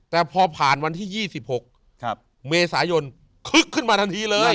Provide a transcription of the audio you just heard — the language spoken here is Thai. แต่พอผ่านวันที่๒๖เมษายนคึกขึ้นมาทันทีเลย